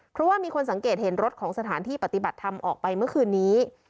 เพราะว่ามีคนสังเกตเห็นรถของสถานที่ปฏิบัติธรรมออกไปเมื่อคืนนี้